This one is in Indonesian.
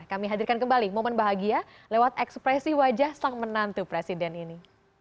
kami hadirkan kembali momen bahagia lewat ekspresi wajah sang menantu presiden ini